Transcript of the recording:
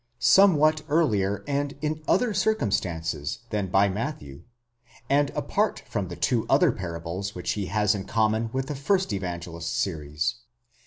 somewhat earlier, and in other circumstances, than by Matthew, and apart from the two other parables which he has in common with the first Evangelist's series.